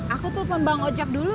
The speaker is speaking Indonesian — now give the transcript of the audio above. aku telpon bang ojak dulu